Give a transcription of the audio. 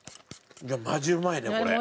マジうまいねこれ。